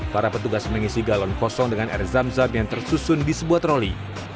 para petugas mengisi galon kosong dengan air zam zam yang tersusun di sebuah troli